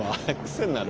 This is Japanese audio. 癖になる。